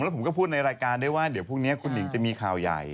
แล้วผมก็พูดในรายการได้ว่าเดี๋ยวพรุ่งนี้คุณหนิงจะมีข่าวใหญ่